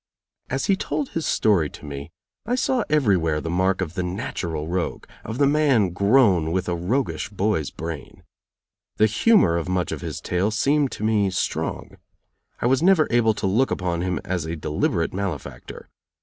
As he told his story to me, I saw everywhere the mark of the natural rogue, of the man grown with a roguish boy's brain. The humor of much of his tale seemed to me strong. I was never able to look upon him as a deliberate malefactor.